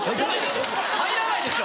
入らないでしょ！